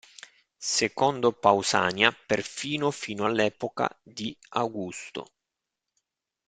Secondo Pausania perfino fino all'epoca di Augusto.